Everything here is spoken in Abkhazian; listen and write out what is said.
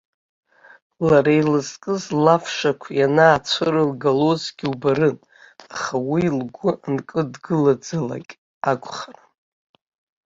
Лара илызкыз лафшақә ианаацәырлгалозгьы убарын, аха уи лгәы анкыдгылаӡалак акәхарын.